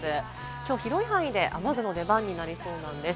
きょう、広い範囲で雨具の出番になりそうなんです。